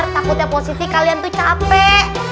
takutnya positif kalian tuh capek